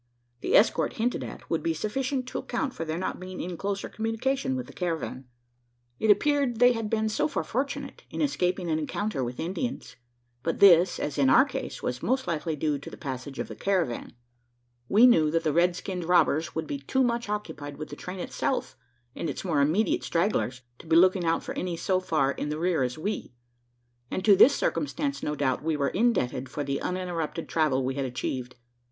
The escort, hinted at, would be sufficient to account for their not being in closer communication with the caravan. It appeared, they had been so far fortunate in escaping an encounter with Indians; but this, as in our case, was most likely due to the passage of the caravan. We knew that the red skinned robbers would be too much occupied with the train itself and its more immediate stragglers, to be looking out for any so far in the rear as we; and to this circumstance, no doubt, were we indebted for the uninterrupted travel we had achieved.